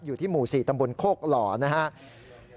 อยู่ที่หมู่๔ตำบลโคกหล่อนะครับ